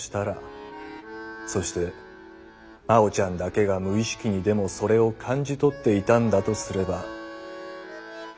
そして真央ちゃんだけが無意識にでもそれを感じ取っていたんだとすれば。